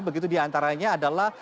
begitu diantaranya adalah